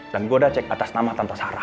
dan gue udah cek atas nama tante sarah